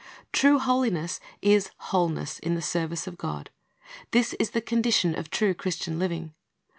'"^ True holiness is wholeness in the service of God. This is the condition of true Christian living.